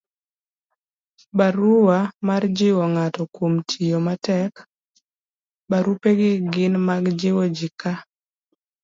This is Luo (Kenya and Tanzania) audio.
barua mar jiwo ng'ato kuom tiyo matek. barupegi gin mag jiwo ji ka